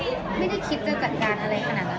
ไม่ได้คิดจะจัดการอะไรขนาดนั้น